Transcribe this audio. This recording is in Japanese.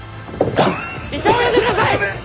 医者を呼んでください！